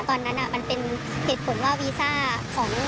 ตอนนั้นเป็นเหตุผลว่าวีซ่าของหัวหน้าคณะครูยังไม่ได้